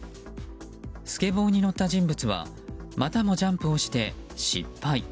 スケボーに乗った人物はまたもジャンプをして失敗。